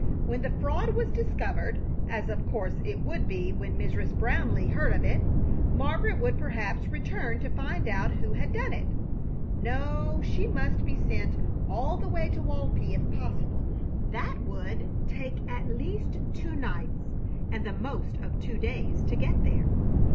When the fraud was discovered, as of course it would be when Mrs. Brownleigh heard of it, Margaret would perhaps return to find out who had done it. No, she must be sent all the way to Walpi if possible. That would take at least two nights and the most of two days to get there.